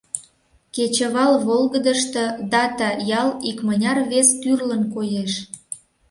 Кечывал волгыдышто Дата ял икмыняр вес тӱрлын коеш.